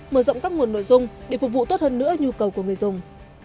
mở rộng các nguồn nội dung để phục vụ tốt hơn nữa nhu cầu của người dùng